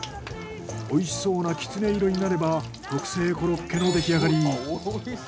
おいしそうなキツネ色になれば特製コロッケの出来上がり。